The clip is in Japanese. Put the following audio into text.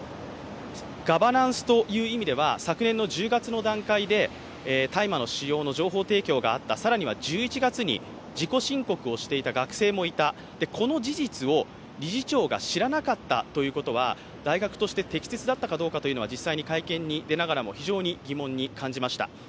ガバナンスという意味では昨年１０月の段階で大麻の使用の情報提供があった更には１１月に自己申告をしていた学生もいた、この事実を理事長が知らなかったということは大学側が的説明だったのかというのは実際に会見に出ながらも非常に疑問に感じました。